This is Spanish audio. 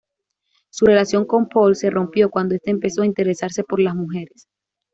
Su relación con Paul se rompió cuando este empezó a interesarse por las mujeres.